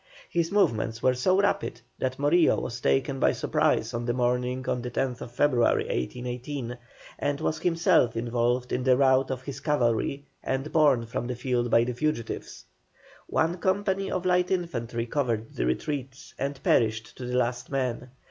His movements were so rapid that Morillo was taken by surprise on the morning of the 10th February, 1818, and was himself involved in the rout of his cavalry, and borne from the field by the fugitives. One company of light infantry covered the retreat, and perished to the last man.